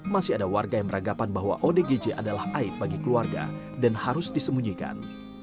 masih ada warga yang beranggapan bahwa odgj adalah air bagi keluarga dan harus disemunyikan